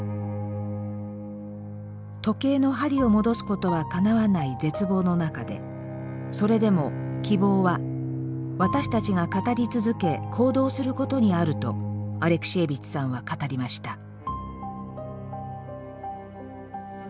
時計の針を戻すことはかなわない絶望の中でそれでも希望は私たちが語り続け行動することにあるとアレクシエービッチさんは語りました。